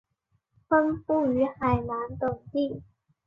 分布于海南等地。